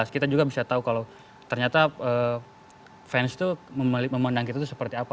kita juga bisa tahu kalau ternyata fans itu memandang kita itu seperti apa